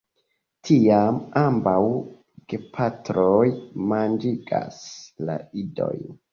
Tiam ambaŭ gepatroj manĝigas la idojn.